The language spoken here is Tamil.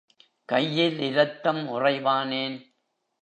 கையில் இரத்தம் உறைவானேன்?